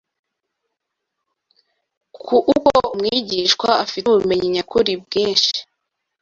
Uko umwigishwa afite ubumenyi nyakuri bwinshi,